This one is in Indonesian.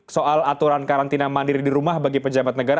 soal aturan karantina mandiri di rumah bagi pejabat negara